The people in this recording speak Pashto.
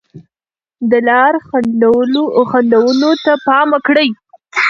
د لارې خنډونو ته پام وکړئ.